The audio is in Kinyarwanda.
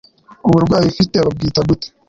Uburwayi ufite babwita gute